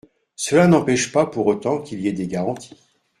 Cela n’empêche pas pour autant qu’il y ait des garanties.